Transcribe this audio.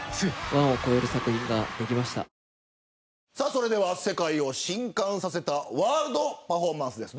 それでは世界を震撼させたワールドパフォーマンスです。